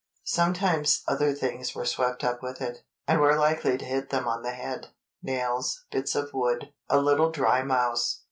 Sometimes other things were swept up with it, and were likely to hit them on the head—nails, bits of wood, a little dry mouse.